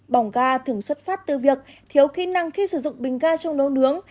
bỏng ga thường xuất phát từ việc thiếu kỹ năng khi sử dụng bình ga trong nấu nướng